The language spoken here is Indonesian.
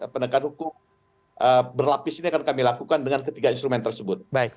penegakan hukum berlapis ini akan kami lakukan dengan ketiga instrumen tersebut